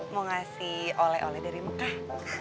mau ngasih oleh oleh dari mekah